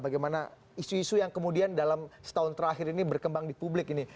bagaimana isu isu yang kemudian dalam setahun terakhir ini berkembang di publik ini